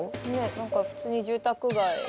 ・何か普通に住宅街。